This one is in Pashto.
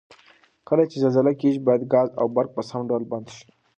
کله چې زلزله کیږي باید ګاز او برق په سم ډول بند شي؟